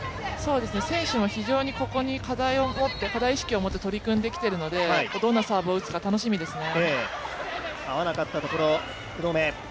選手も非常にここに課題意識を持って取り組んできているので、どんなサーブを打つか、楽しみですね。